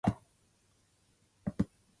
The sisters were born in London.